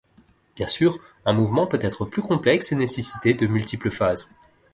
Bien sûr, un mouvement peut être plus complexe et nécessiter de multiples phases.